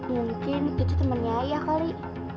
mungkin itu temennya ayah kali